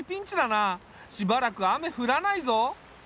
しばらく雨降らないぞ。